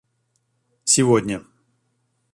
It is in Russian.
сегодня